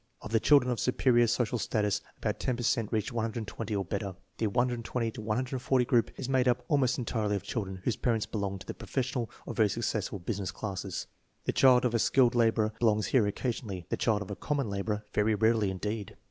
1 Of the children of superior so cial status, about 10 per cent reached 120 or better. The 120 140 group is made up almost entirely of children whose parents belong to the professional or very successful business classes. The child of a skilled laborer belongs here occasionally, the child of a common laborer very rarely indeed.